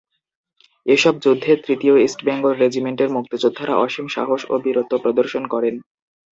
এসব যুদ্ধে তৃতীয় ইস্ট বেঙ্গল রেজিমেন্টের মুক্তিযোদ্ধারা অসীম সাহস ও বীরত্ব প্রদর্শন করেন।